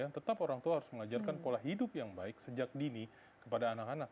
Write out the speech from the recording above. tetap orang tua harus mengajarkan pola hidup yang baik sejak dini kepada anak anak